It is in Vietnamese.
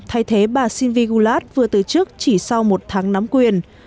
thay thế bà sylvie goulart vừa từ chức chỉ sau một tháng nắm quyền